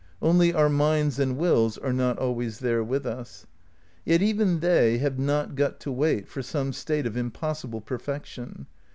Only our minds and wills are not always there with us. Yet even they have not got to wait for some state of impossible perfection.